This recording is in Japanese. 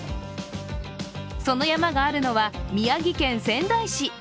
その山があるのは宮城県仙台市。